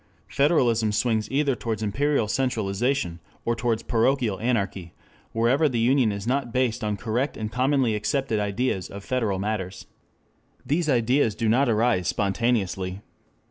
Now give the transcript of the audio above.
] federalism swings either towards imperial centralization or towards parochial anarchy wherever the union is not based on correct and commonly accepted ideas of federal matters. These ideas do not arise spontaneously.